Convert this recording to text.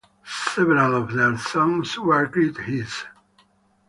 Several of their songs were great hits.